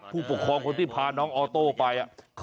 ผู้ปกครองคนที่พาน้องออโต้ไป